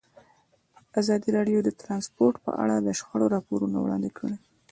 ازادي راډیو د ترانسپورټ په اړه د شخړو راپورونه وړاندې کړي.